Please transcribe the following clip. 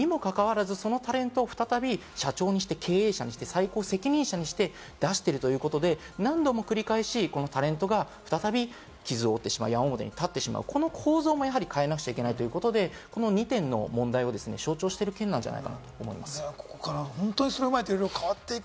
にもかかわらず、そのタレントを再び社長にして経営者にして、最高経営責任者にして出しているということで、何度も繰り返しタレントが再び傷を負ってしまう、矢面に立ってしまう、この構造も変えなくちゃいけないということで、この２点の問題を象徴している件じゃないかと思います。